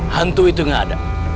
hantu itu nggak ada